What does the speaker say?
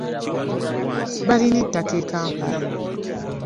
Balina ettaka e Kampala.